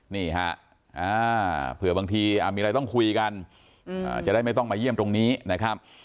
นี่ฮะเผื่อบางทีมีอะไรต้องคุยกันจะได้ไม่ต้องมาเยี่ยมตรงนี้นะครับ